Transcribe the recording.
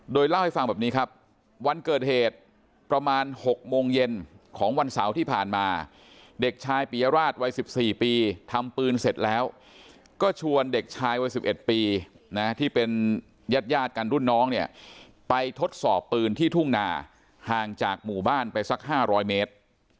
โดยเล่าให้ฟังแบบนี้ครับวันเกิดเหตุประมาณ๖โมงเย็นของวันเสาร์ที่ผ่านมาเด็กชายปียราชวัย๑๔ปีทำปืนเสร็จแล้วก็ชวนเด็กชายวัย๑๑ปีนะที่เป็นญาติกันรุ่นน้องเนี่ยไปทดสอบปืนที่ทุ่งนาห่างจากหมู่บ้านไปสัก๕๐๐เมตร